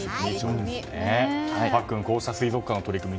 パックンこうした水族館の取り組み